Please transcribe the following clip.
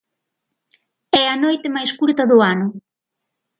É a noite máis curta do ano.